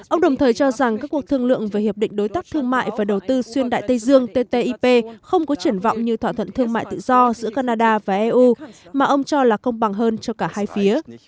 ông đồng thời cho rằng các cuộc thương lượng về hiệp định đối tác thương mại và đầu tư xuyên đại tây dương ttip không có triển vọng như thỏa thuận thương mại tự do giữa canada và eu mà ông cho là công bằng hơn cho cả hai phía